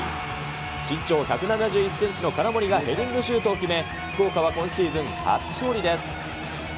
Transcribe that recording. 身長１７１センチの金森がヘディングシュートを決め、福岡は今シーズン初勝利です。